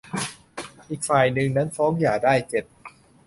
อีกฝ่ายหนึ่งนั้นฟ้องหย่าได้ เจ็ด